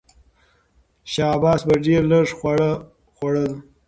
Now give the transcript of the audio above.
شاه عباس به ډېر لږ خواړه خوړل.